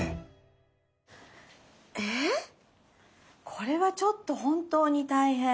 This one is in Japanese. これはちょっと本当に大変。